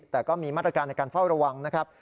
แต่ก็มีมาตรการในการเฝ้าระวังนะครับ